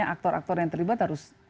aktor aktor yang terlibat harus